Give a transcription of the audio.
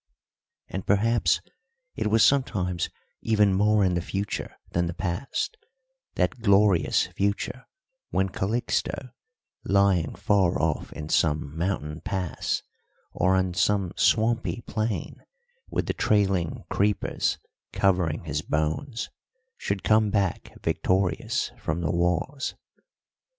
And perhaps it was sometimes even more in the future than the past that glorious future when Calixto, lying far off in some mountain pass, or on some swampy plain with the trailing creepers covering his bones, should come back victorious from the wars.